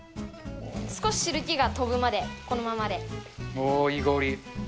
少し汁気が飛ぶまでこのままいい香り。